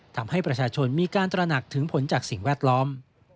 ทำให้ประชาชนมีการตระหนักถึงผลจากสิ่งแวดล้อม